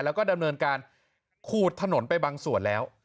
อย่างเช่นการขูดถนนไปบางส่วนแล้ว